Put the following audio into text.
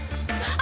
あ。